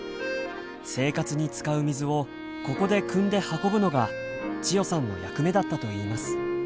生活に使う水をここでくんで運ぶのが千代さんの役目だったといいます。